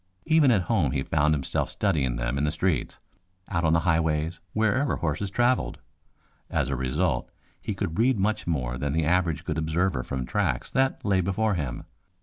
Even at home he found himself studying them in the streets, out on the highways, wherever horses traveled. As a result he could read much more than the average good observer from tracks that lay before him.